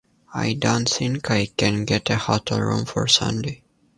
I don't think I can get a hotel room for Sunday.